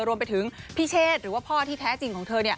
รวมไปถึงพี่เชษหรือว่าพ่อที่แท้จริงของเธอ